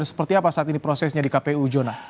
seperti apa saat ini prosesnya di kpu jona